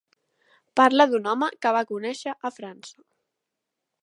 Parla d'un home que va conèixer a França.